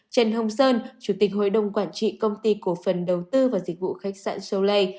trần hồng sơn chủ tịch hội đồng quản trị công ty cổ phần đầu tư và dịch vụ khách sạn soleil